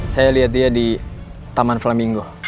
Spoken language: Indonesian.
saya lihat dia di taman flaminggo